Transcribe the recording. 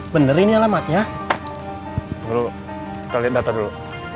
bener ini alamatnya dulu kali data dulu